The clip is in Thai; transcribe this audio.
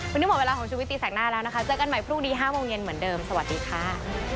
วันนี้หมดเวลาของชุวิตตีแสกหน้าแล้วนะคะเจอกันใหม่พรุ่งนี้๕โมงเย็นเหมือนเดิมสวัสดีค่ะ